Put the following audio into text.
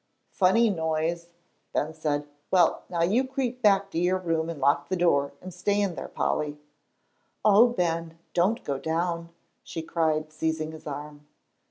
"Funny noise!" said Ben. "Well, now, you creep back to your room and lock the door, and stay in there, Polly." "Oh, Ben, don't go down," she cried, seizing his arm.